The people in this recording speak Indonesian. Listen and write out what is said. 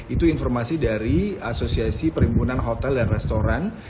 itu informasi dari asosiasi perhimpunan hotel dan restoran